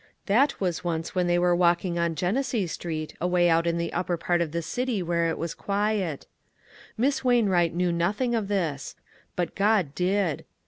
That was once when they were walking on Genesee Street, away out in the upper part of the city where it is quiet. Miss Waiu wright knew nothing of this ; but God did.